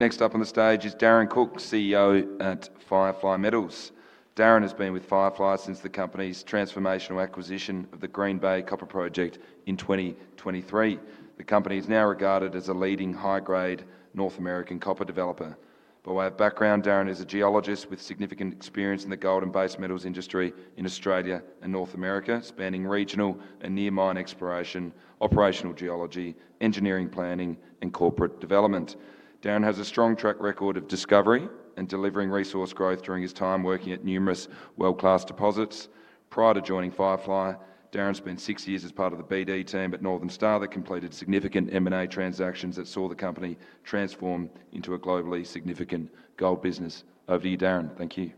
Next up on the stage is Darren Cooke, CEO at FireFly Metals. Darren has been with FireFly since the company's transformational acquisition of the Green Bay Copper-Gold Project in 2023. The company is now regarded as a leading high-grade North American copper developer. By way of background, Darren is a geologist with significant experience in the gold and base metals industry in Australia and North America, spanning regional and near mine exploration, operational geology, engineering planning, and corporate development. Darren has a strong track record of discovery and delivering resource growth during his time working at numerous world-class deposits. Prior to joining FireFly, Darren spent six years as part of the BD team at Northern Star that completed significant M&A transactions that saw the company transform into a globally significant gold business. Over to you, Darren. Thank you.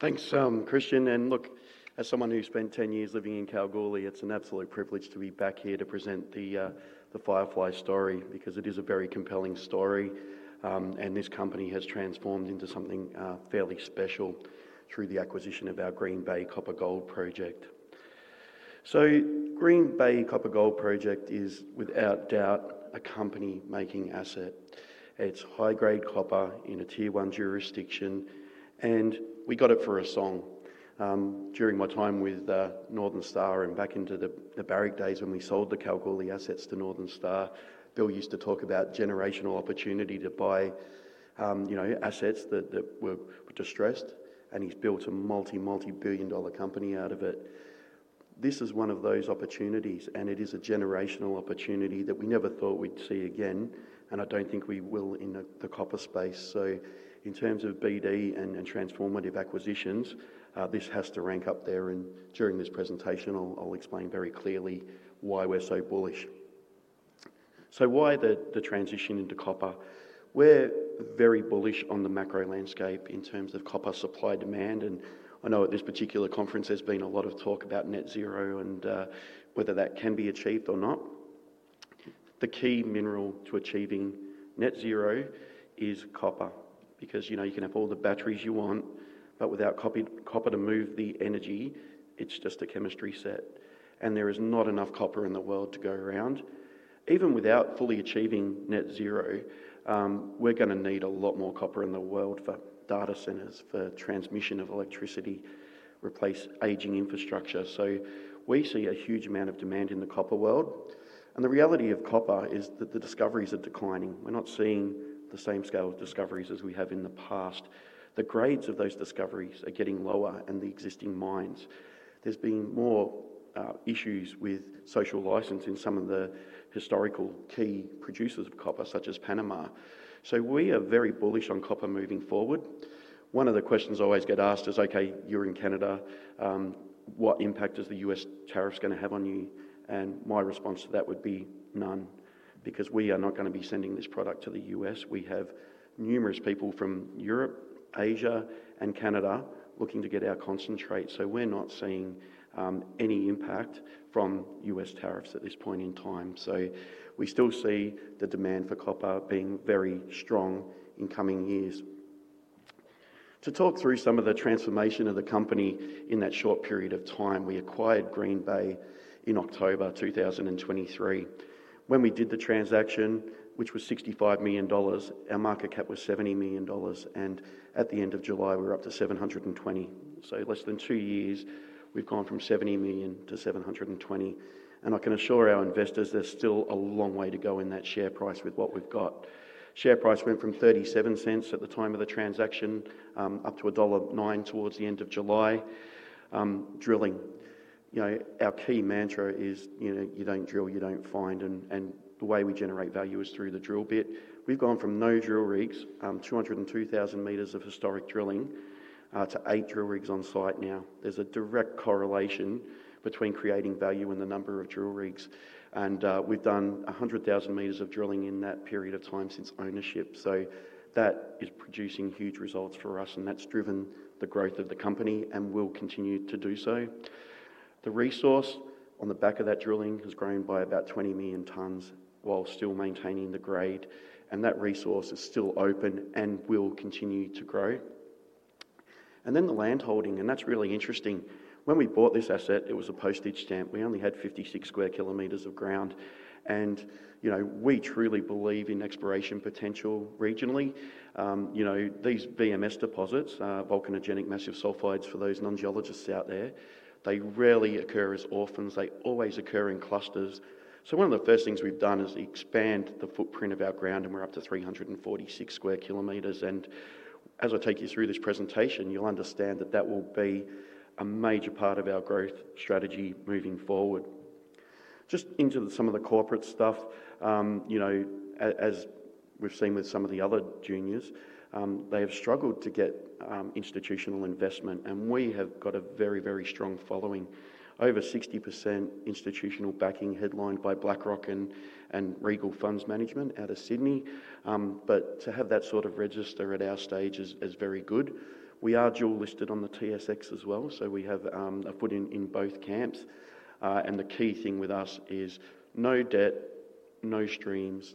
Thanks, Christian. As someone who spent 10 years living in Kalgoorlie, it's an absolute privilege to be back here to present the FireFly story because it is a very compelling story. This company has transformed into something fairly special through the acquisition of our Green Bay Copper-Gold Project. The Green Bay Copper-Gold Project is without doubt a company-making asset. It's high-grade copper in a Tier 1 jurisdiction, and we got it for a song. During my time with Northern Star and back into the Barrick days when we sold the Kalgoorlie assets to Northern Star, Bill used to talk about generational opportunity to buy assets that were distressed, and he's built a multi-billion dollar company out of it. This is one of those opportunities, and it is a generational opportunity that we never thought we'd see again. I don't think we will in the copper space. In terms of BD and transformative acquisitions, this has to rank up there, and during this presentation, I'll explain very clearly why we're so bullish. Why the transition into copper? We're very bullish on the macro landscape in terms of copper supply demand, and I know at this particular conference there's been a lot of talk about net zero and whether that can be achieved or not. The key mineral to achieving net zero is copper, because you can have all the batteries you want, but without copper to move the energy, it's just a chemistry set, and there is not enough copper in the world to go around. Even without fully achieving net zero, we're going to need a lot more copper in the world for data centers, for transmission of electricity, to replace aging infrastructure. We see a huge amount of demand in the copper world, and the reality of copper is that the discoveries are declining. We're not seeing the same scale of discoveries as we have in the past. The grades of those discoveries are getting lower, and the existing mines, there's been more issues with social licensing in some of the historical key producers of copper, such as Panama. We are very bullish on copper moving forward. One of the questions I always get asked is, okay, you're in Canada, what impact is the U.S. tariffs going to have on you? My response to that would be none, because we are not going to be sending this product to the U.S. We have numerous people from Europe, Asia, and Canada looking to get our concentrate, so we're not seeing any impact from U.S. tariffs at this point in time. We still see the demand for copper being very strong in coming years. To talk through some of the transformation of the company in that short period of time, we acquired the Green Bay Copper-Gold Project in October 2023. When we did the transaction, which was $65 million, our market cap was $70 million, and at the end of July, we were up to $720 million. In less than two years, we've gone from $70 million to $720 million, and I can assure our investors there's still a long way to go in that share price with what we've got. Share price went from $0.37 at the time of the transaction up to $1.09 towards the end of July. Drilling, you know, our key mantra is, you know, you don't drill, you don't find, and the way we generate value is through the drill bit. We've gone from no drill rigs, 202,000 m of historic drilling, to eight drill rigs on site now. There's a direct correlation between creating value and the number of drill rigs, and we've done 100,000 m of drilling in that period of time since ownership. That is producing huge results for us, and that's driven the growth of the company and will continue to do so. The resource on the back of that drilling has grown by about 20 million tons while still maintaining the grade, and that resource is still open and will continue to grow. The land holding, and that's really interesting. When we bought this asset, it was a postage stamp. We only had 56 square kilometers of ground, and we truly believe in exploration potential regionally. These VMS deposits, volcanogenic massive sulfide mineralization for those non-geologists out there, they rarely occur as often as they always occur in clusters. One of the first things we've done is expand the footprint of our ground, and we're up to 346 sq km. As I take you through this presentation, you'll understand that that will be a major part of our growth strategy moving forward. Just into some of the corporate stuff, as we've seen with some of the other juniors, they have struggled to get institutional investment, and we have got a very, very strong following. Over 60% institutional backing headlined by BlackRock and Regal Funds Management out of Sydney. To have that sort of register at our stage is very good. We are dual-listed on the TSX as well, so we have a foot in both camps. The key thing with us is no debt, no streams,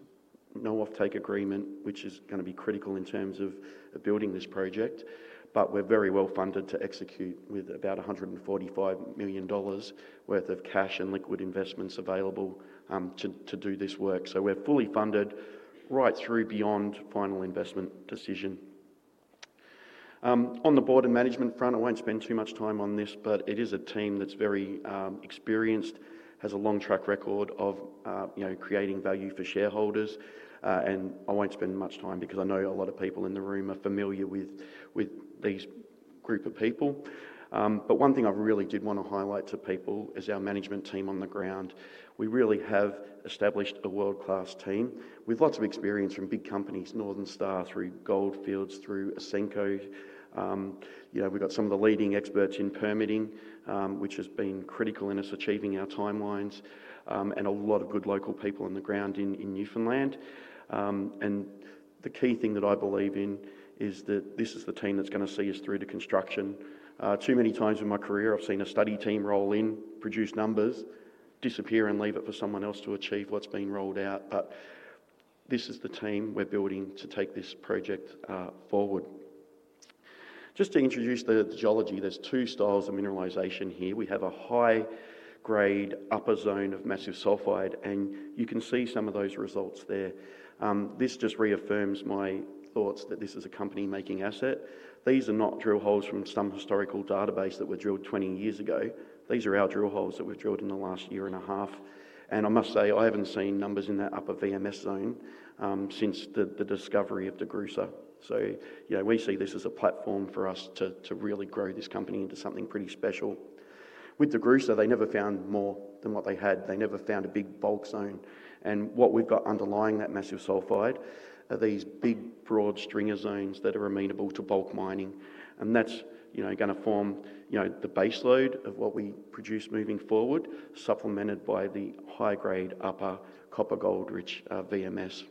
no offtake agreement, which is going to be critical in terms of building this project. We're very well funded to execute with about $145 million worth of cash and liquid investments available to do this work. We're fully funded right through beyond final investment decision. On the board and management front, I won't spend too much time on this, but it is a team that's very experienced, has a long track record of creating value for shareholders. I won't spend much time because I know a lot of people in the room are familiar with this group of people. One thing I really did want to highlight to people is our management team on the ground. We really have established a world-class team with lots of experience from big companies, Northern Star through Goldfields, through Asenco. We've got some of the leading experts in permitting, which has been critical in us achieving our timelines, and a lot of good local people on the ground in Newfoundland. The key thing that I believe in is that this is the team that's going to see us through to construction. Too many times in my career, I've seen a study team roll in, produce numbers, disappear, and leave it for someone else to achieve what's being rolled out. This is the team we're building to take this project forward. Just to introduce the geology, there's two styles of mineralization here. We have a high-grade upper zone of massive sulfide, and you can see some of those results there. This just reaffirms my thoughts that this is a company-making asset. These are not drill holes from some historical database that were drilled 20 years ago. These are our drill holes that were drilled in the last year and a half. I must say, I haven't seen numbers in that upper VMS zone since the discovery of the Grueser. We see this as a platform for us to really grow this company into something pretty special. With the Grueser, they never found more than what they had. They never found a big bulk zone. What we've got underlying that massive sulfide are these big broad stringer zones that are amenable to bulk mining. That's going to form the baseload of what we produce moving forward, supplemented by the high-grade upper copper gold-rich VMS.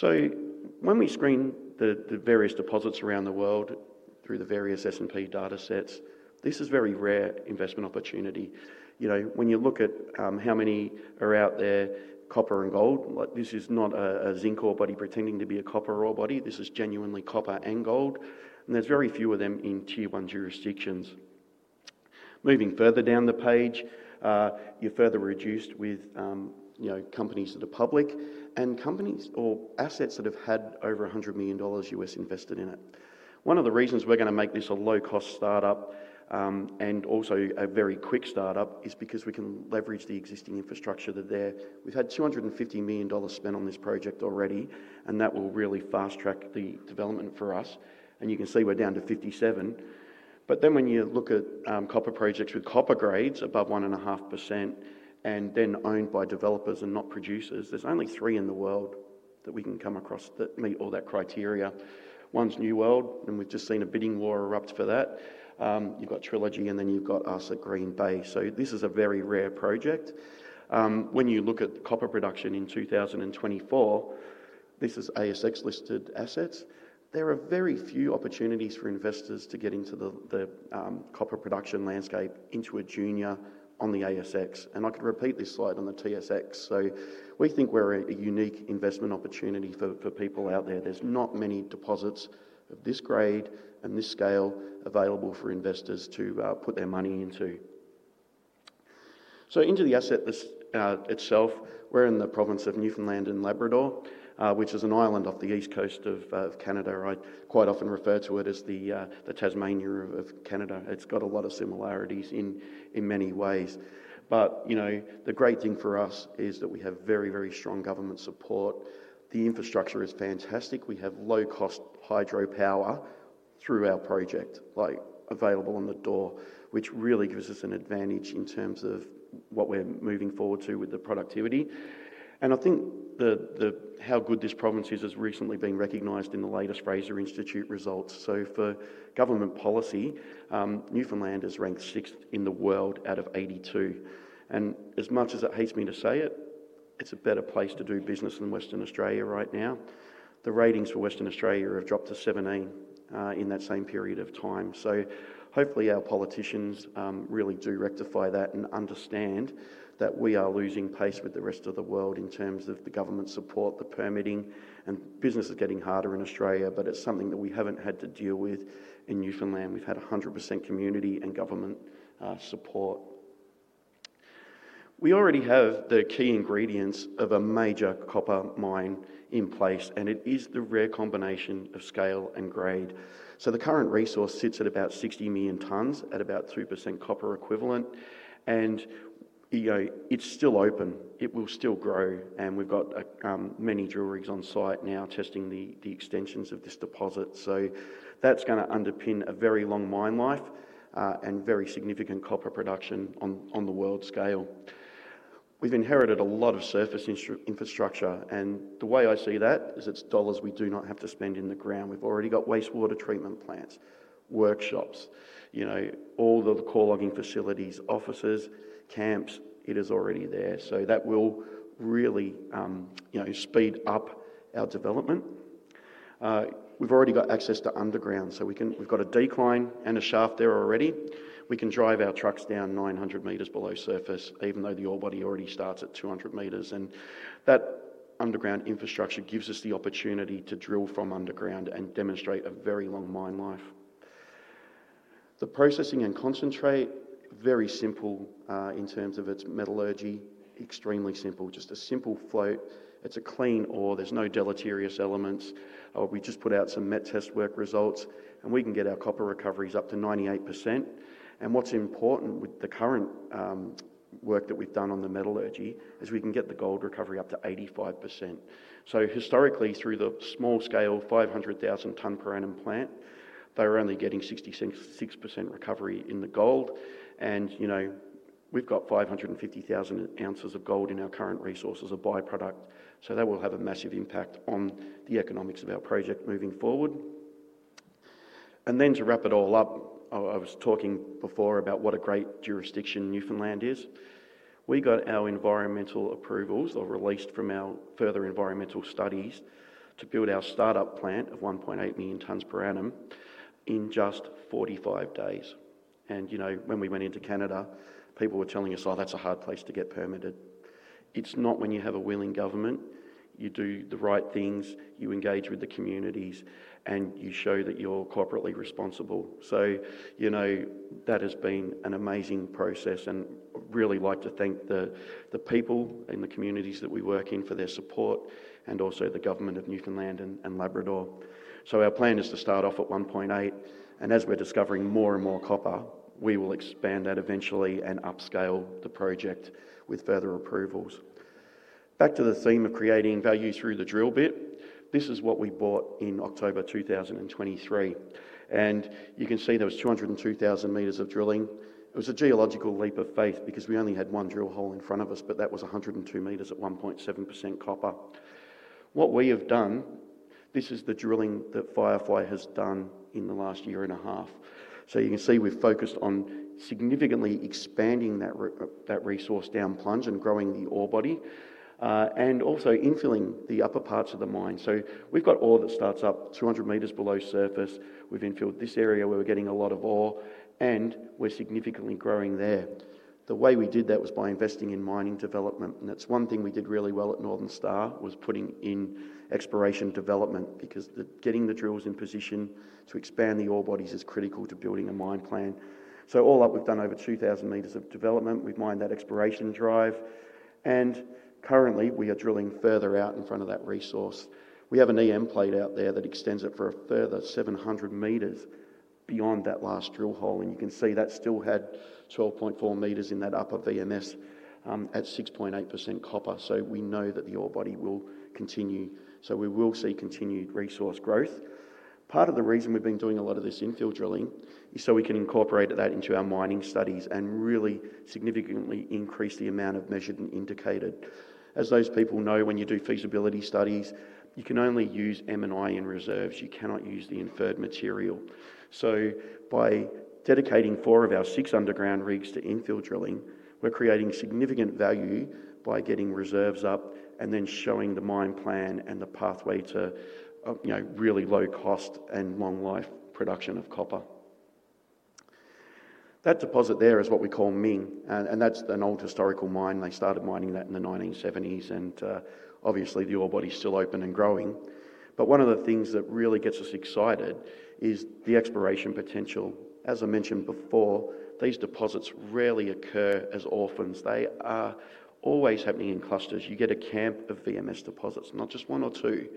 When we screen the various deposits around the world through the various S&P data sets, this is a very rare investment opportunity. You know, when you look at how many are out there, copper and gold, this is not a zinc ore body pretending to be a copper ore body. This is genuinely copper and gold. There's very few of them in Tier 1 jurisdictions. Moving further down the page, you're further reduced with companies that are public and companies or assets that have had over $100 million invested in it. One of the reasons we're going to make this a low-cost startup and also a very quick startup is because we can leverage the existing infrastructure that's there. We've had $250 million spent on this project already, and that will really fast-track the development for us. You can see we're down to 57. When you look at copper projects with copper grades above 1.5% and then owned by developers and not producers, there's only three in the world that we can come across that meet all that criteria. One's New World, and we've just seen a bidding war erupt for that. You've got Trilogy, and then you've got us at Green Bay. This is a very rare project. When you look at copper production in 2024, this is ASX-listed assets. There are very few opportunities for investors to get into the copper production landscape into a junior on the ASX. I can repeat this slide on the TSX. We think we're a unique investment opportunity for people out there. There's not many deposits of this grade and this scale available for investors to put their money into. Into the asset itself, we're in the province of Newfoundland and Labrador, which is an island off the East Coast of Canada. I quite often refer to it as the Tasmania of Canada. It's got a lot of similarities in many ways. The great thing for us is that we have very, very strong government support. The infrastructure is fantastic. We have low-cost hydropower through our project, available on the door, which really gives us an advantage in terms of what we're moving forward to with the productivity. I think how good this province is has recently been recognized in the latest Fraser Institute results. For government policy, Newfoundland is ranked sixth in the world out of 82. As much as it hates me to say it, it's a better place to do business than Western Australia right now. The ratings for Western Australia have dropped to 17 in that same period of time. Hopefully, our politicians really do rectify that and understand that we are losing pace with the rest of the world in terms of the government support, the permitting, and business is getting harder in Australia. It's something that we haven't had to deal with in Newfoundland. We've had 100% community and government support. We already have the key ingredients of a major copper mine in place, and it is the rare combination of scale and grade. The current resource sits at about 60 million tons at about 3% copper equivalent. It's still open. It will still grow. We've got many drill rigs on site now testing the extensions of this deposit. That's going to underpin a very long mine life and very significant copper production on the world scale. We've inherited a lot of surface infrastructure. The way I see that is it's dollars we do not have to spend in the ground. We've already got wastewater treatment plants, workshops, all the core logging facilities, offices, camps. It is already there. That will really speed up our development. We've already got access to underground. We've got a decline and a shaft there already. We can drive our trucks down 900 m below surface, even though the ore body already starts at 200 m. That underground infrastructure gives us the opportunity to drill from underground and demonstrate a very long mine life. The processing and concentrate, very simple in terms of its metallurgy, extremely simple, just a simple float. It's a clean ore. There's no deleterious elements. We just put out some met test work results, and we can get our copper recoveries up to 98%. What's important with the current work that we've done on the metallurgy is we can get the gold recovery up to 85%. Historically, through the small scale 500,000 ton per annum plant, they're only getting 66% recovery in the gold. We've got 550,000 ounces of gold in our current resources of byproduct. That will have a massive impact on the economics of our project moving forward. To wrap it all up, I was talking before about what a great jurisdiction Newfoundland is. We got our environmental approvals or released from our further environmental studies to build our startup plant of 1.8 million tons per annum in just 45 days. When we went into Canada, people were telling us, oh, that's a hard place to get permitted. It's not when you have a willing government, you do the right things, you engage with the communities, and you show that you're corporately responsible. That has been an amazing process. I really like to thank the people in the communities that we work in for their support and also the government of Newfoundland and Labrador. Our plan is to start off at 1.8. As we're discovering more and more copper, we will expand that eventually and upscale the project with further approvals. Back to the theme of creating value through the drill bit, this is what we bought in October 2023. You can see there was 202,000 m of drilling. It was a geological leap of faith because we only had one drill hole in front of us, but that was 102 m at 1.7% copper. What we have done, this is the drilling that FireFly Metals has done in the last year and a half. You can see we've focused on significantly expanding that resource down plunge and growing the ore body and also infilling the upper parts of the mine. We've got ore that starts up 200 m below surface. We've infilled this area where we're getting a lot of ore, and we're significantly growing there. The way we did that was by investing in mining development. That's one thing we did really well at Northern Star was putting in exploration development because getting the drills in position to expand the ore bodies is critical to building a mine plan. All up, we've done over 2,000 m of development. We've mined that exploration drive. Currently, we are drilling further out in front of that resource. We have an EM plate out there that extends it for a further 700 m beyond that last drill hole. You can see that still had 12.4 m in that upper VMS at 6.8% copper. We know that the ore body will continue. We will see continued resource growth. Part of the reason we've been doing a lot of this infill drilling is so we can incorporate that into our mining studies and really significantly increase the amount of measured and indicated. As those people know, when you do feasibility studies, you can only use M&I in reserves. You cannot use the inferred material. By dedicating four of our six underground rigs to infill drilling, we're creating significant value by getting reserves up and then showing the mine plan and the pathway to really low cost and long life production of copper. That deposit there is what we call Ming, and that's an old historical mine. They started mining that in the 1970s, and obviously, the ore body is still open and growing. One of the things that really gets us excited is the exploration potential. As I mentioned before, these deposits rarely occur as orphans. They are always happening in clusters. You get a camp of VMS deposits, not just one or two,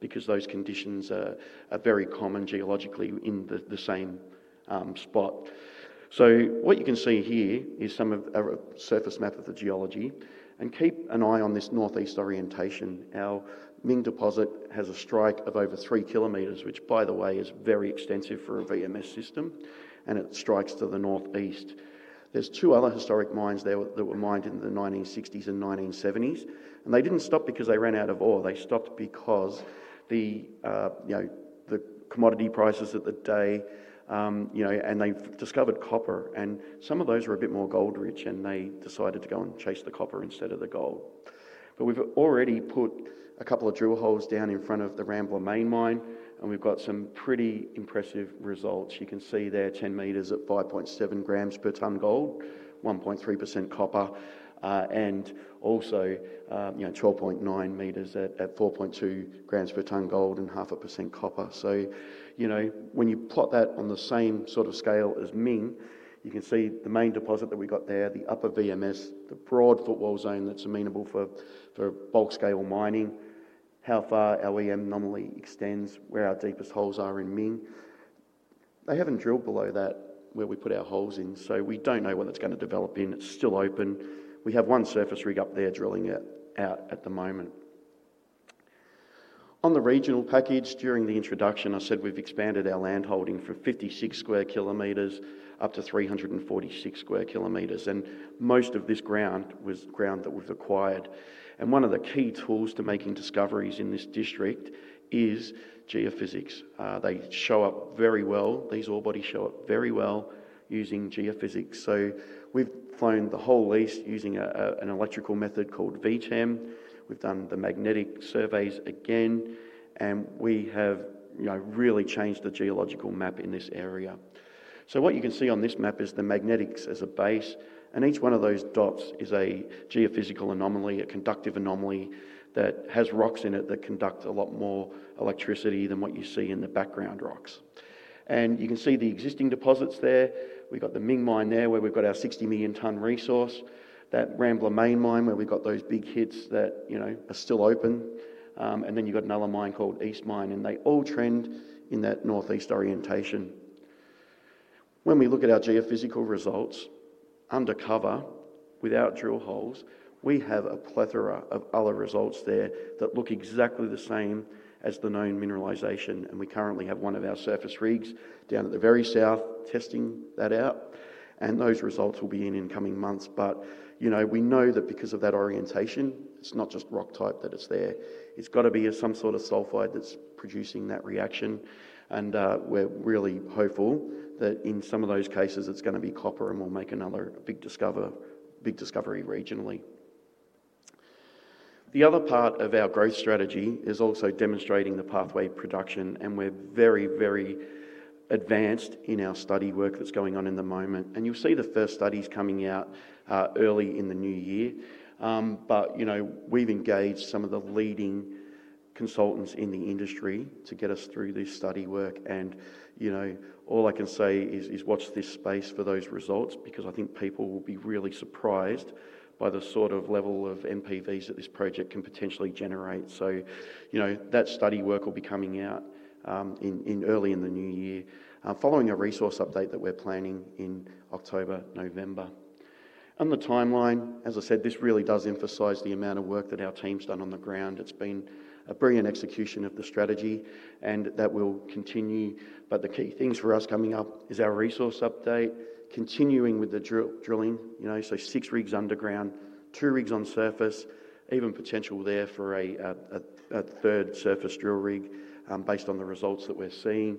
because those conditions are very common geologically in the same spot. You can see here some of our surface map of the geology. Keep an eye on this northeast orientation. Our Ming deposit has a strike of over 3 km, which, by the way, is very extensive for a VMS system, and it strikes to the northeast. There are two other historic mines there that were mined in the 1960s and 1970s, and they didn't stop because they ran out of ore. They stopped because the commodity prices at the day, and they discovered copper, and some of those were a bit more gold-rich, and they decided to go and chase the copper instead of the gold. We've already put a couple of drill holes down in front of the Rambler Main Mine, and we've got some pretty impressive results. You can see there 10 m at 5.7 g per ton gold, 1.3% copper, and also 12.9 m at 4.2 g per ton gold and 0.5% copper. When you plot that on the same sort of scale as Ming, you can see the main deposit that we got there, the upper VMS, the broad footwall zone that's amenable for bulk scale mining, how far our EM anomaly extends, where our deepest holes are in Ming. They haven't drilled below that where we put our holes in, so we don't know what that's going to develop in. It's still open. We have one surface rig up there drilling it out at the moment. On the regional package during the introduction, I said we've expanded our land holding from 56 sq km up to 346 sq km, and most of this ground was ground that we've acquired. One of the key tools to making discoveries in this district is geophysics. They show up very well. These ore bodies show up very well using geophysics. We've flown the whole lease using an electrical method called VTEM. We've done the magnetic surveys again, and we have really changed the geological map in this area. What you can see on this map is the magnetics as a base, and each one of those dots is a geophysical anomaly, a conductive anomaly that has rocks in it that conduct a lot more electricity than what you see in the background rocks. You can see the existing deposits there. We've got the Ming mine there where we've got our 60 million ton resource, that Rambler Main mine where we've got those big hits that are still open. Then you've got another mine called East Mine, and they all trend in that northeast orientation. When we look at our geophysical results undercover without drill holes, we have a plethora of other results there that look exactly the same as the known mineralization. We currently have one of our surface rigs down at the very south testing that out, and those results will be in in coming months. We know that because of that orientation, it's not just rock type that it's there. It's got to be some sort of sulfide that's producing that reaction. We're really hopeful that in some of those cases, it's going to be copper and we'll make another big discovery regionally. The other part of our growth strategy is also demonstrating the pathway production, and we're very, very advanced in our study work that's going on in the moment. You'll see the first studies coming out early in the new year. We've engaged some of the leading consultants in the industry to get us through this study work. All I can say is watch this space for those results because I think people will be really surprised by the sort of level of NPVs that this project can potentially generate. That study work will be coming out early in the new year following a resource update that we're planning in October, November. The timeline, as I said, really does emphasize the amount of work that our team's done on the ground. It's been a brilliant execution of the strategy, and that will continue. The key things for us coming up is our resource update, continuing with the drilling, six rigs underground, two rigs on surface, even potential there for a third surface drill rig based on the results that we're seeing.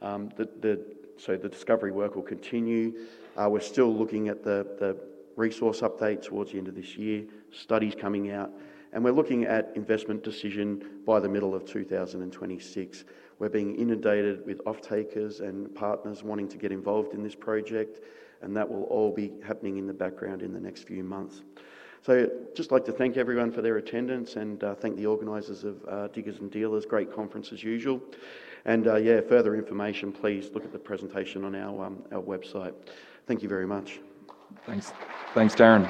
The discovery work will continue. We're still looking at the resource update towards the end of this year, studies coming out, and we're looking at investment decision by the middle of 2026. We're being inundated with offtakers and partners wanting to get involved in this project, and that will all be happening in the background in the next few months. I'd just like to thank everyone for their attendance and thank the organizers of Diggers & Dealers. Great conference as usual. For further information, please look at the presentation on our website. Thank you very much. Thanks, thanks Darren.